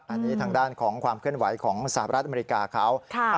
อันนี้ทางด้านของความเคลื่อนไหวของสหรัฐอเมริกาเขา